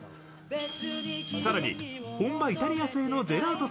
更に本場イタリア製のジェラート